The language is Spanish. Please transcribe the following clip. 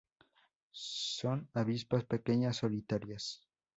Son avispas pequeñas, solitarias.